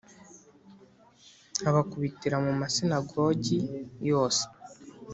nkabakubitira mu masinagogi yose